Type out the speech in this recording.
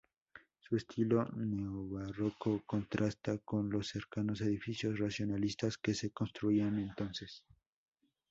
Su estilo neobarroco contrasta con los cercanos edificios racionalistas que se construían entonces.